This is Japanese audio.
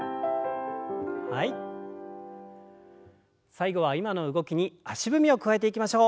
最後は今の動きに足踏みを加えていきましょう。